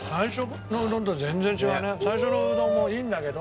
最初のうどんもいいんだけど。